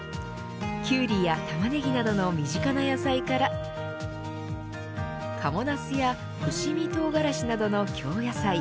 キュウリや玉ねぎなどの身近な野菜から賀茂ナスや伏見唐辛子などの京野菜。